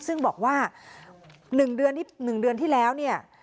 ซึ่งบอกว่า๑เดือนที่๑เดือนที่แล้วเนี่ย